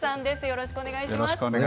よろしくお願いします。